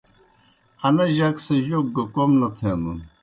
انہ جک سہ جوک گہ کوْم نہ تھینَن۔